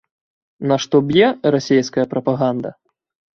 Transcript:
На што б'е расейская прапаганда?